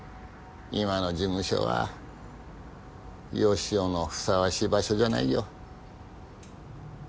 今の事務所は佳男のふさわしい場所じゃないよ